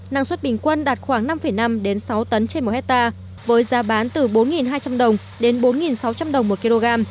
năng suất bình quân đạt khoảng năm năm sáu tấn trên một hectare với giá bán từ bốn hai trăm linh đồng đến bốn sáu trăm linh đồng một kg